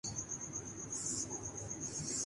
انہوں نے ہمیشہ ملکی مفاد کو ذاتی مفاد پر ترجیح دی۔